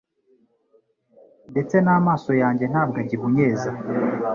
ndetse n’amaso yanjye nta bwo agihunyeza